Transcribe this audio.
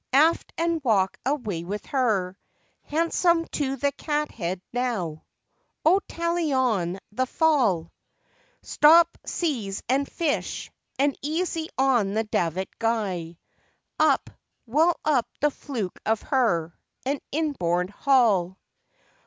Aft and walk away with her! Handsome to the cathead, now; O tally on the fall! Stop, seize and fish, and easy on the davit guy. Up, well up the fluke of her, and inboard haul!